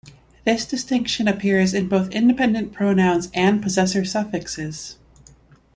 This distinction appears in both independent pronouns and possessor suffixes.